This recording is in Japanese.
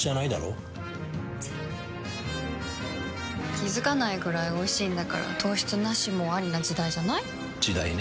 気付かないくらいおいしいんだから糖質ナシもアリな時代じゃない？時代ね。